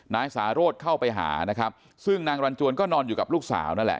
นายสาโรธเข้าไปหานะครับซึ่งนางรันจวนก็นอนอยู่กับลูกสาวนั่นแหละ